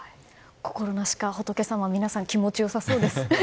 心なしか仏様、皆さん気持ちよさそうです。